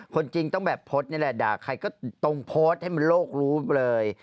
คนจริงต้องแบบโพสต์นี่แหละด่าใครก็ตรงโพสต์ให้มันโลกรู้เลย